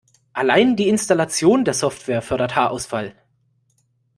Allein die Installation der Software fördert Haarausfall.